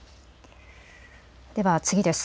では次です。